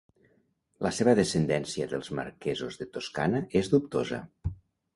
La seva descendència dels marquesos de Toscana és dubtosa.